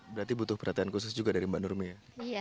berarti butuh perhatian khusus juga dari mbak nurmi ya